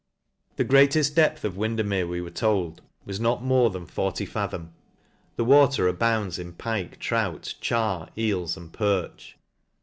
The great eft depth of Windermere , we were told, was not more than 40 fathom; the water abounds in pike, trout, char, eels, and perch.